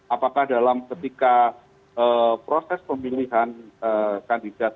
apakah dalam ketika proses pemilihan kandidat